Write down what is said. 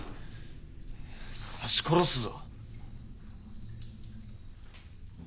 刺し殺すぞ。